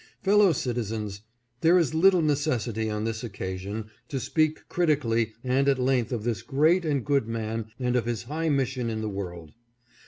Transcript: Fellow citizens, there is little necessity on this occasion to speak critically and at length of this great and good man and of his high mission in the world.